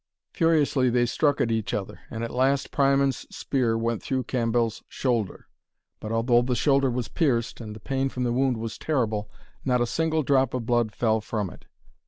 Furiously they struck at each other, and at last Priamond's spear went through Cambell's shoulder. But although the shoulder was pierced, and the pain from the wound was terrible, not a single drop of blood fell from it.